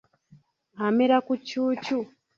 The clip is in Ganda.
Amera ku ccuucu.